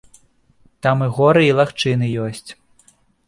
Там і горы і лагчыны ёсць.